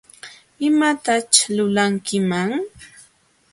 ¿Imataćh lulankiman?